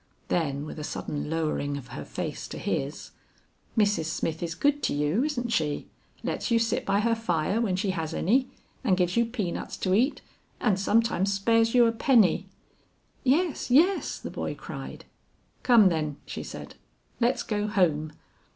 Then with a sudden lowering of her face to his "Mrs. Smith is good to you, isn't she; lets you sit by her fire when she has any, and gives you peanuts to eat and sometimes spares you a penny!" "Yes, yes," the boy cried. "Come then," she said, "let's go home."